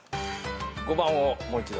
５番をもう一度。